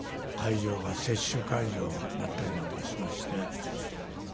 会場が接種会場になったりなんかしまして。